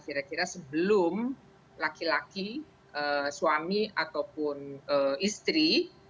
kira kira sebelum laki laki suami ataupun istri